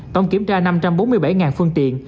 tổng kiểm tra năm trăm bốn mươi bảy phương tiện